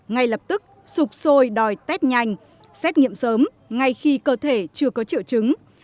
ngay lập tức sụp sôi đòi test nhanh xét nghiệm sớm ngay khi cơ thể chưa có triệu chứng